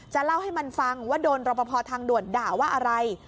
เล่าให้มันฟังว่าโดนรบพอทางด่วนด่าว่าอะไร